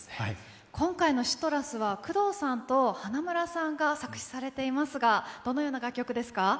今回の「ＣＩＴＲＵＳ」は工藤さんと花村さんが作っていますがどのような楽曲ですか。